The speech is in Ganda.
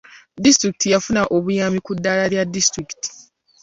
Disitulikiti yafuna obuyambi ku ddaala lya disitulikiti.